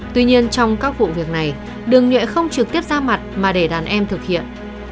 tuy nhiên trong các vụ việc này đường nhuệ không trực tiếp ra mặt mà để đàn em thực hiện